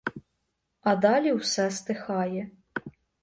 А далі все стихає.